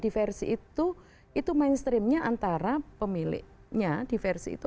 di versi itu itu mainstreamnya antara pemiliknya di versi itu